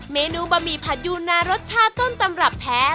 เมนูบะหมี่ผัดยูนารสชาติต้นตำรับแท้